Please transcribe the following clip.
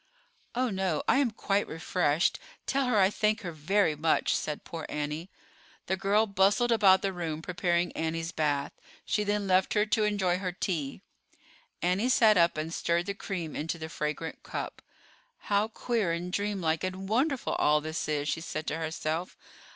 "Oh, no, I am quite refreshed. Tell her I thank her very much," said poor Annie. The girl bustled about the room preparing Annie's bath. She then left her to enjoy her tea. Annie sat up and stirred the cream into the fragrant cup. "How queer and dreamlike and wonderful all this is," she said to herself.